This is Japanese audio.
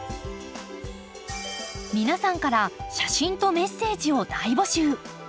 皆さんから写真とメッセージを大募集！